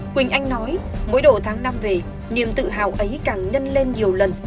quỳnh anh nói mỗi độ tháng năm về niềm tự hào ấy càng nhân lên nhiều lần